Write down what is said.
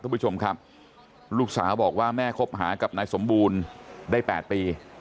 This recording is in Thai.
คุณผู้ชมครับลูกสาวบอกว่าแม่คบหากับนายสมบูรณ์ได้๘ปี